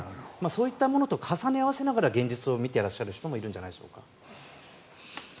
そういったものと重ね合わせながら現実を見てる方もいるんじゃないでしょうか。